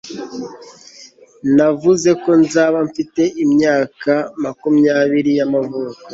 Navuze ko nzaba mfite imyaka makumyabiri yamavuko